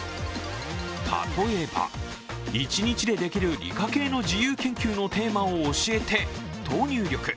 例えば、１日でできる理科系の自由研究のテーマを教えてと入力